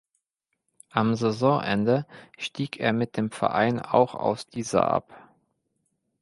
Am Saisonende stieg er mit dem Verein auch aus dieser ab.